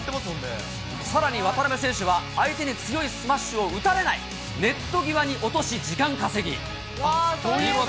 さらに渡辺選手は相手に強いスマッシュを打たれないネット際に落とし時間稼ぎ。